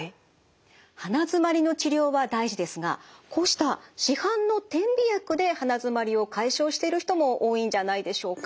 鼻づまりの治療は大事ですがこうした市販の点鼻薬で鼻づまりを解消している人も多いんじゃないでしょうか。